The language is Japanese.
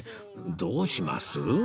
どうします？